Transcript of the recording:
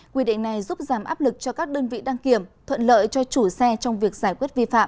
quy định này giúp giảm áp lực cho các đơn vị đăng kiểm thuận lợi cho chủ xe trong việc giải quyết vi phạm